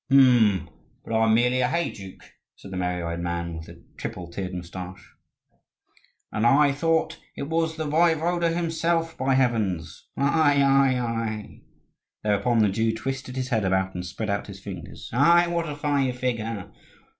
"Hm, but I am merely a heyduke," said the merry eyed man with the triple tiered moustache. "And I thought it was the Waiwode himself, by heavens! Ai, ai, ai!" Thereupon the Jew twisted his head about and spread out his fingers. "Ai, what a fine figure!